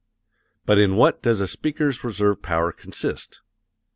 But in what does a speaker's reserve power consist?